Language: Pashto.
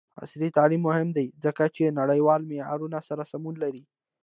عصري تعلیم مهم دی ځکه چې نړیوالو معیارونو سره سمون لري.